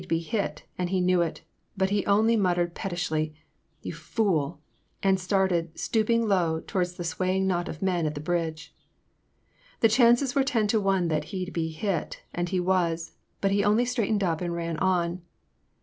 The chances were that he 'd be hit, and he knew it, but he only muttered pet tishly ;'* Young fool,'* and started, stooping low, toward the swaying knot of men at the bridge. The chances were ten to one that he 'd be hit, and he was, but he only straightened up and ran on.